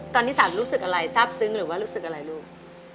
ตอนนี้๓รู้สึกอะไรทราบซึ้งหรือว่ารู้สึกอะไรลูก